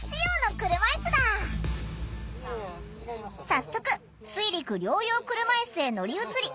早速水陸両用車いすへ乗り移り